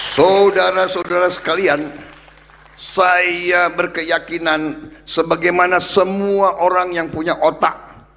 saudara saudara sekalian saya berkeyakinan sebagaimana semua orang yang punya otak